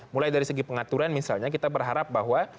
mulai dari segi pengaturan misalnya kita berharap bahwa